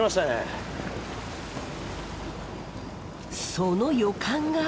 その予感が。